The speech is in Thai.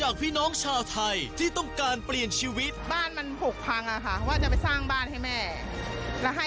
ก็ใช้นี่ให้พ่อกับแม่ค่ะ